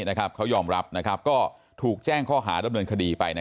นะครับเขายอมรับนะครับก็ถูกแจ้งข้อหาดำเนินคดีไปนะ